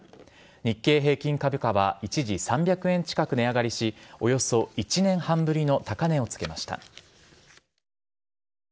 日経平均株価は一時３００円近く値上がりしおよそ１年半ぶりの高値を付けました。